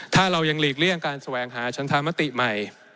ถ้าเรายังหลีกเลี่ยงการแสวงหาชันธรรมติใหม่